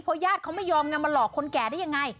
เพราะญาติเขาไม่ยอมมาหลอกคนแก่ได้อย่างไร